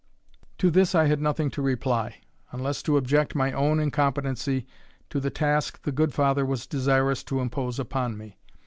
To this I had nothing to reply, unless to object my own incompetency to the task the good father was desirous to impose upon me.